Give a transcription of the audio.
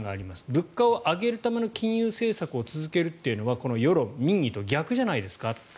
物価を上げるための金融政策を続けるというのは世論、民意と逆じゃないですか？